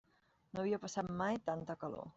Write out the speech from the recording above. No havia passat mai tanta calor.